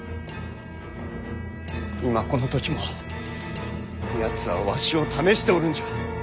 今この時もやつはわしを試しておるんじゃ。